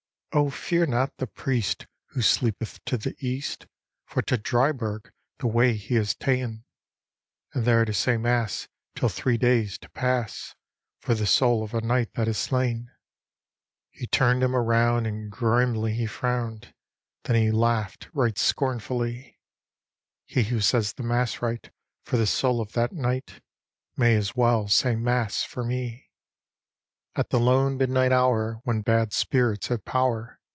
—"' O fear not the priest, who sleepeth to the east, For to Dryburgh the way he has ta'en, And there to say mass, till three days do pass. For the soul of a knight that is slayne.' " He tum'd him around and grimly he frown'd ; Then he laugh'd right scornfully —' He who says the mass rite for the soul of that knight, May as well say mass for me I D,gt,, erihyGOOgle ► The Haunted Hour "' At the lone midnight hour, when bad spirits have power.